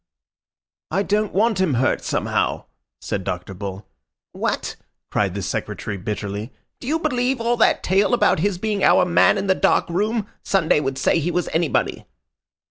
"I don't want him hurt, somehow," said Dr. Bull. "What!" cried the Secretary bitterly. "Do you believe all that tale about his being our man in the dark room? Sunday would say he was anybody."